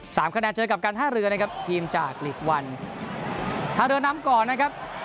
สามคะแนนเจอกับการท่าเรือนะครับทีมจากหลีกวันท่าเรือนำก่อนนะครับ